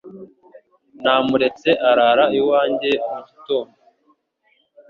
Namuretse arara iwanjye mu gitondo.